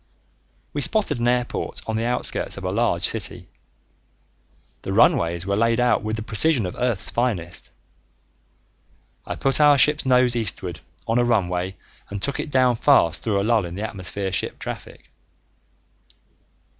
We spotted an airport on the outskirts of a large city. The runways were laid out with the precision of Earth's finest. I put our ship's nose eastward on a runway and took it down fast through a lull in the atmosphere ship traffic.